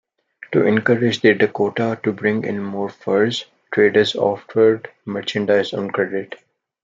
To encourage the Dakota to bring in more furs, traders offered merchandise on credit.